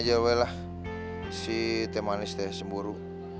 ah biarin aja lah si temanis cemburu